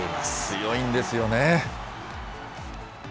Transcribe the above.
強いんですよね。